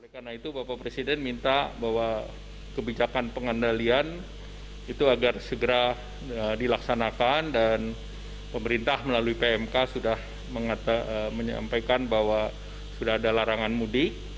karena itu bapak presiden minta bahwa kebijakan pengendalian itu agar segera dilaksanakan dan pemerintah melalui pmk sudah menyampaikan bahwa sudah ada larangan mudik